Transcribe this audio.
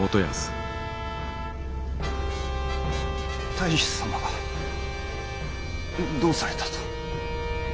太守様がどうされたと？